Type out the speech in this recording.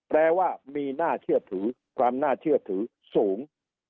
แปลว่ามีน่าเชื่อถือความน่าเชื่อถือสูง